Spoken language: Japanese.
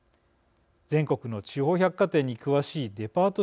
全国の地方百貨店に詳しいデパート